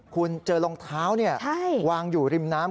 คุณเจอรองเท้าวางอยู่ริมน้ำ